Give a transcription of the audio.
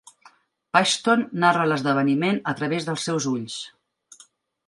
Paxton narra l'esdeveniment a través dels seus ulls.